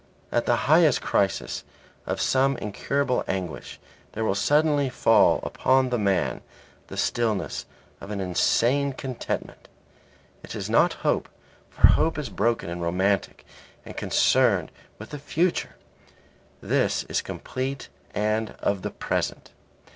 At the highest crisis of some incurable anguish there will suddenly fall upon the man the stillness of an insane contentment. It is not hope, for hope is broken and romantic and concerned with the future; this is complete and of the present.